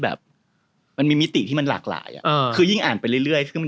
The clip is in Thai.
แบบมันมีมิติที่มันหลากหลายอ่ะเออคือยิ่งอ่านไปเรื่อยคือมัน